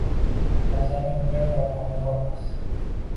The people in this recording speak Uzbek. Derazani yuvgan yomg’irni ko’rmas